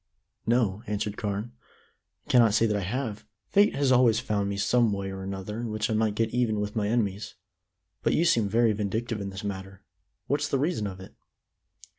"No," answered Carne, "I cannot say that I have. Fate has always found me some way or another in which I might get even with my enemies. But you seem very vindictive in this matter. What's the reason of it?"